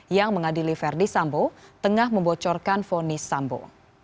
yang mengadili verdi sambo tengah membocorkan fonis sambo